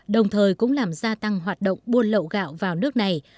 đồng thời cũng làm gia tăng hoạt động buôn lậu gạo vào nước này